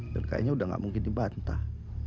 dan kayaknya udah gak mungkin dibantah